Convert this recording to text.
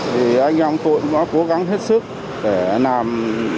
thì anh em tôi cũng đã cố gắng hết sức để làm